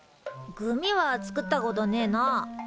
グミは作ったことねえな。